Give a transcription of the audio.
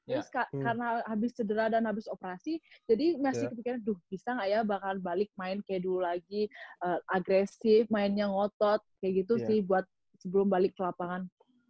terus karena habis cedera dan habis operasi jadi masih kepikiran aduh bisa gak ya bakal balik main kayak dulu lagi agresif mainnya ngotot kayak gitu sih buat sebelum balik ke lapangan